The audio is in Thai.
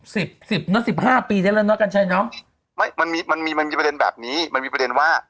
สิบสิบเนอะสิบห้าปีได้แล้วเนาะกัญชัยเนอะไม่มันมีมันมีประเด็นแบบนี้มันมีประเด็นว่า